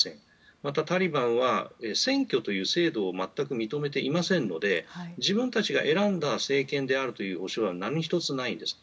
また、タリバンは選挙という制度を全く認めていませんので自分たちが選んだ政権であるという保証は何一つないんです。